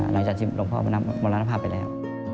หลังจากที่หลวงพ่อมรณภาพไปแล้ว